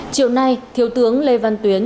chiều nay thiếu tướng lê văn tuyến